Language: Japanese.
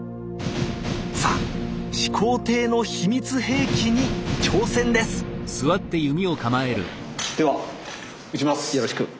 さあ始皇帝の秘密兵器に挑戦ですよろしく。